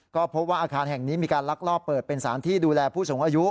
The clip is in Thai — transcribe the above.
ก็พบว่าอาคารแห่งนี้มีการลักลอบเปิดเป็นสารที่ดูแลผู้สูงอายุ